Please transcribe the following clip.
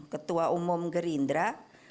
ketua umum gerindra